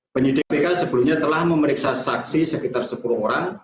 penyidik pk sebelumnya telah memeriksa saksi sekitar sepuluh orang